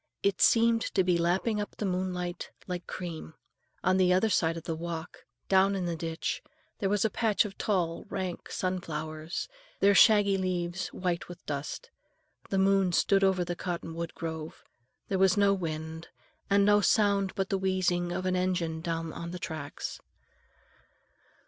It seemed to be lapping up the moonlight like cream. On the other side of the walk, down in the ditch, there was a patch of tall, rank sunflowers, their shaggy leaves white with dust. The moon stood over the cottonwood grove. There was no wind, and no sound but the wheezing of an engine down on the tracks.